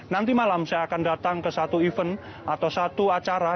nanti malam saya akan datang ke satu event atau satu acara